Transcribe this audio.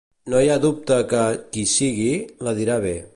No hi ha dubte que, qui sigui, la dirà bé.